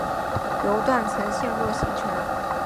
由断层陷落形成。